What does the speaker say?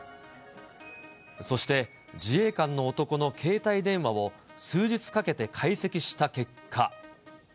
そして、自衛官の男の携帯電話を、数日かけて解析した結果。